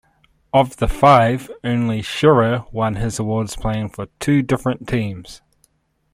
Of the five, only Shearer won his awards playing for two different teams.